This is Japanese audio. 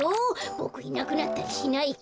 ボクいなくなったりしないから。